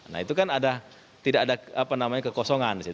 nah itu kan ada tidak ada apa namanya kekosongan